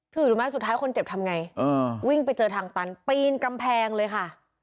รู้ไหมสุดท้ายคนเจ็บทำไงวิ่งไปเจอทางตันปีนกำแพงเลยค่ะ